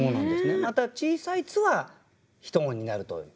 また小さい「っ」は一音になるという。